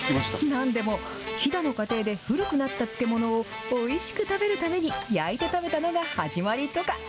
なんでも、飛騨の家庭で古くなった漬物をおいしく食べるために、焼いて食べたのが始まりとか。